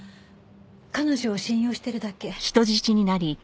彼女を信用してるだけ。